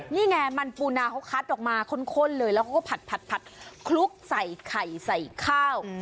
นี่ไงมันปูนาเขาคัดออกมาข้นเลยแล้วเขาก็ผัดคลุกใส่ไข่ใส่ข้าว